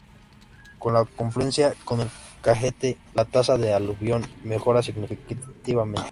En la confluencia con el Caquetá, la tasa de aluvión mejora significativamente.